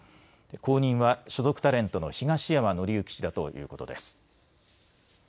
後任は所属タレントの東山紀之氏だということです。